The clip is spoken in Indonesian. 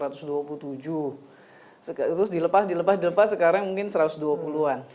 terus dilepas sekarang mungkin satu ratus dua puluh an